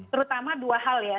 terutama dua hal ya